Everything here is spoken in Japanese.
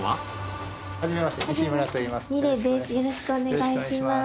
よろしくお願いします。